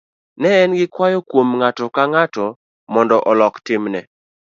ne en gi kwayo kuom ng'ato ka ng'ato mondo olok timne